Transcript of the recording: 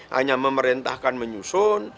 hanya memerintahkan menyusun